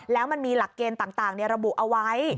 แล้วมันมีหลักเกณฑ์ต่างระบุเอาไว้